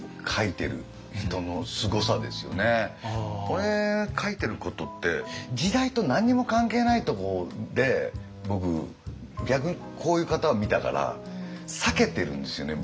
俺書いてることって時代と何にも関係ないとこで僕逆にこういう方を見たから避けてるんですよね